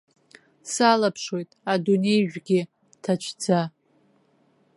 Салаԥшуеит адунеижәгьы ҭацәӡа.